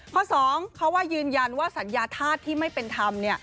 ข้อ๒เขาว่ายืนยันว่าสัญญาธาตุที่ไม่เป็นธรรม